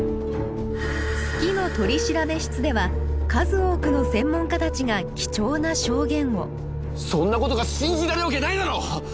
「好きの取調室」では数多くの専門家たちが貴重な証言をそんなことが信じられるわけないだろ！